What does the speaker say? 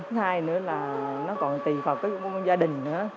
thứ hai nữa là nó còn tùy vào cái gia đình nữa